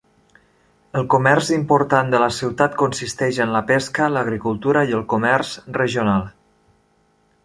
El comerç important de la ciutat consisteix en la pesca, l'agricultura i el comerç regional.